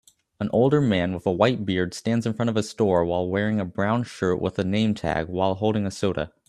An older man with a white beard stands in front of a store while wearing a brown shirt with a name tag while holding a soda